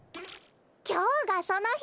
きょうがそのひ！